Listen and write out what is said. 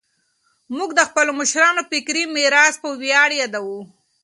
موږ د خپلو مشرانو فکري میراث په ویاړ یادوو.